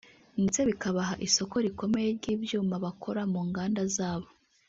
ndetse bikabaha isoko rikomeye ry’ibyuma bakora mu nganda zabo